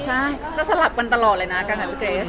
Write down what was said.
ใช่จะสลับกันตลอดเลยนะกันอ่ะพี่เกรส